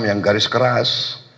yang garis keras